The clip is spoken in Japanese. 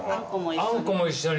あんこも一緒に。